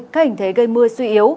các hình thế gây mưa suy yếu